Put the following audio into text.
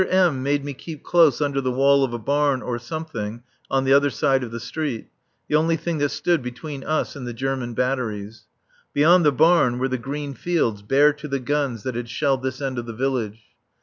M. made me keep close under the wall of a barn or something on the other side of the street, the only thing that stood between us and the German batteries. Beyond the barn were the green fields bare to the guns that had shelled this end of the village.